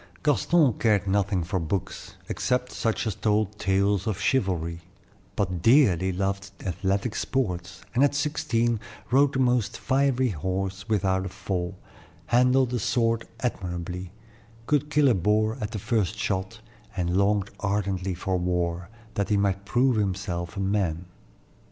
Gaston cared nothing for books, except such as told tales of chivalry; but dearly loved athletic sports, and at sixteen rode the most fiery horse without a fall, handled a sword admirably, could kill a boar at the first shot, and longed ardently for war, that he might prove himself a man.